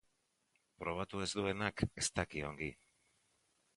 Probatu ez duenak ez daki ongi.